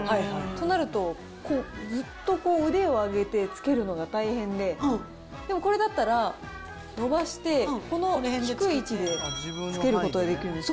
となると、こうずっと腕を上げてつけるのが大変で、でもこれだったら、伸ばして、この低い位置でつけることができるんです。